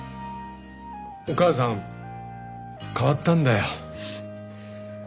お母さん変わったんだよ。